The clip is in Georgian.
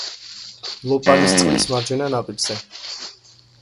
ლოპანისწყლის მარჯვენა ნაპირზე.